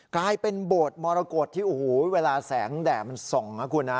กลายเป็นโบสถ์มรกฏที่โอ้โหเวลาแสงแดดมันส่องนะคุณนะ